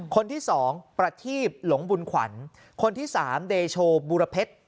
คนที่๒ประทีบหลงบุญขวัญคนที่๓เดโชว์บูรเผ็ด